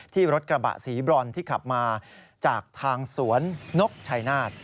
ที่รถกระบะสีบรอนที่ขับมาจากทางสวนนกชัยนาธ